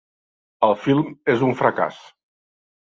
El film és un fracàs.